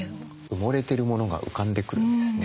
埋もれてるものが浮かんでくるんですね。